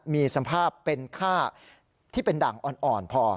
มีสภาพเป็นค่าที่เป็นด่างอ่อนพอ